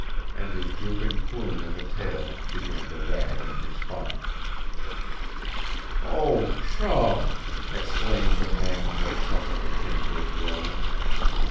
And his drooping plume of a tail began to wag in response. "Oh, CHUM!" exclaimed the man with something akin to a groan.